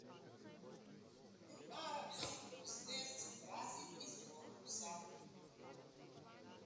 Ne maram super zvezd z obrazi iz botoksa.